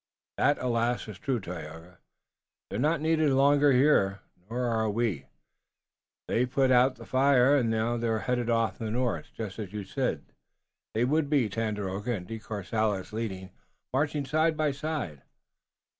"That, alas, is true, Tayoga. They're not needed longer here, nor are we. They've put out their fire, and now they're off toward the north, just as you said they would be. Tandakora and De Courcelles lead, marching side by side.